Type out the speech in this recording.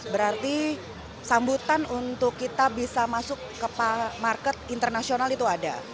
berarti sambutan untuk kita bisa masuk ke market internasional itu ada